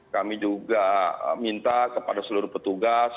kami juga minta kepada seluruh petugas